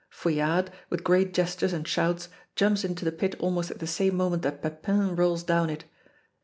Fouillade, with great gestures and shouts, jumps into the pit almost at the same moment that Pepin rolls down it.